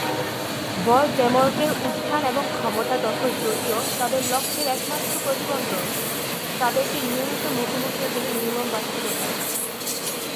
ভলডেমর্টের উত্থান এবং ক্ষমতা দখল যদিও তাদের লক্ষ্যের একমাত্র প্রতিবন্ধক, তাদেরকে প্রতিনিয়ত মুখোমুখি হতে হবে নির্মম বাস্তবতার।